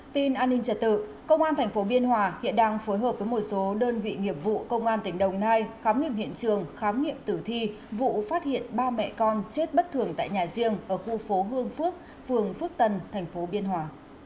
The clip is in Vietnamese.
tin an ninh trả tự công an tp biên hòa hiện đang phối hợp với một số đơn vị nghiệp vụ công an tỉnh đồng nai khám nghiệm hiện trường khám nghiệm tử thi vụ phát hiện ba mẹ con chết bất thường tại nhà riêng ở khu phố hương phước phường phước tân thành phố biên hòa